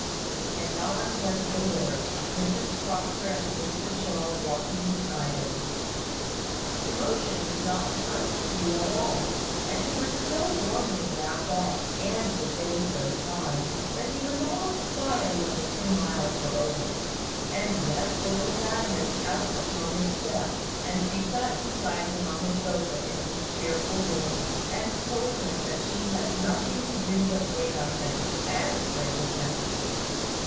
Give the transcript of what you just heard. And on went the litter, with Mrs Proctor and Mr Shaw walking beside it. The motion did not hurt Hugh at all; and he was so warmly wrapped up, and the day so fine, that he was almost sorry when the two miles were over. And yet there was Agnes out upon the steps; and she sat beside him on the sofa in his cheerful room, and told him that she had nothing to do but to wait on him, and play with him.